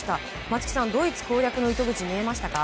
松木さん、ドイツ攻略の糸口見えましたか？